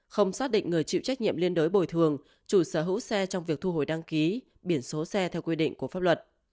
không xác định người chịu trách nhiệm liên đối bồi thường chủ sở hữu xe trong việc thu hồi đăng ký biển số xe theo quy định của pháp luật